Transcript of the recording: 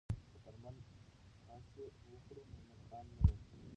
که درمل پاشي وکړو نو ملخان نه راځي.